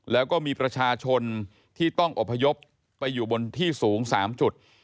แล้วก็มีประชาชนที่ต้องอบพยพไปอยู่บนที่สูง๓จุด